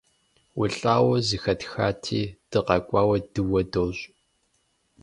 УлӀауэ зэхэтхати, дыкъэкӀуауэ дыуэ дощӀ.